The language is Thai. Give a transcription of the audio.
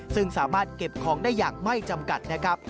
ซึ่งสามารถเก็บของได้อย่างไม่จำกัดนะครับ